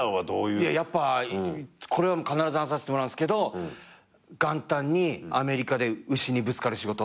やっぱこれは必ず話させてもらうんですけど元旦にアメリカで牛にぶつかる仕事。